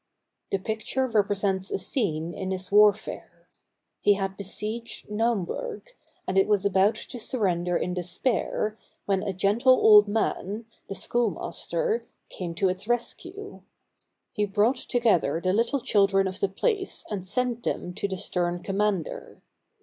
The picture represents a scene in his warfare. He had besieged Naumburg, and it was about to surrender in despair, when a gentle old man, the schoolmas ter, came to its rescue. He brought together the little chil dren of the place and sent them to the stern commander.